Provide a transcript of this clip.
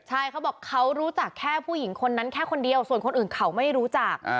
ใช่เขาบอกเขารู้จักแค่ผู้หญิงคนนั้นแค่คนเดียวส่วนคนอื่นเขาไม่รู้จัก